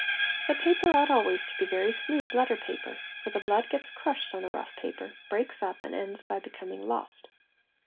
The paper ought always to be very smooth Gi A AE I Ra aT le A letter paper, for the blood gets crushed on a rough paper, breaks up, and ends by becoming lost.